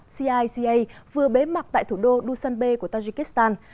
cica vừa bế mạc tại thủ đô dusanbe của tajikistan